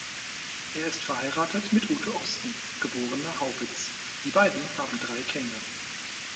Er ist verheiratet mit Ute Osten, geborene Haubitz; die beiden haben drei Kinder.